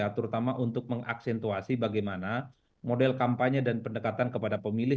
terutama untuk mengaksentuasi bagaimana model kampanye dan pendekatan kepada pemilih